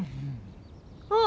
あっ！